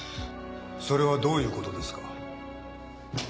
それはどういうことですか？